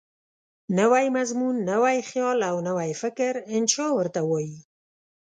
نوی مضمون، نوی خیال او نوی فکر انشأ ورته وايي.